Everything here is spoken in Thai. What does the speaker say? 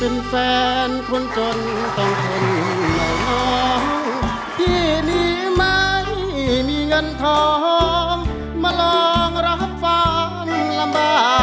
มีความรู้สึกแบบไม่อยากรับรู้สึก